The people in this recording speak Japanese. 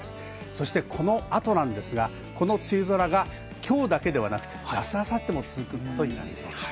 そしてこの後なんですが、この梅雨空がきょうだけではなくて、続くことになりそうです。